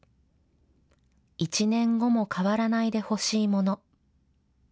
１年後も変わらないでほしいもの。